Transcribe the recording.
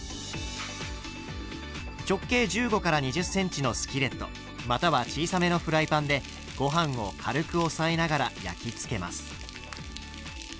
直径１５２０ｃｍのスキレットまたは小さめのフライパンでご飯を軽く押さえながら焼き付けます。